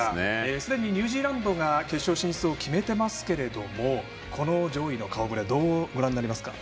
すでにニュージーランドが決勝進出を決めていますがこの上位の顔ぶれはどうご覧になりますか？